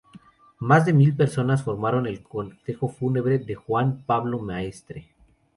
Más de mil personas formaron el cortejo fúnebre de Juan Pablo Maestre.